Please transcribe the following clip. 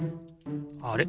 あれ？